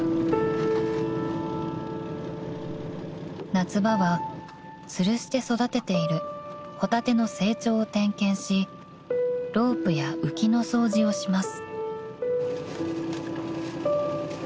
［夏場はつるして育てているホタテの成長を点検しロープや浮きの掃除をします］